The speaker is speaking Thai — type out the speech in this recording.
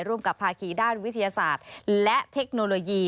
กับภาคีด้านวิทยาศาสตร์และเทคโนโลยี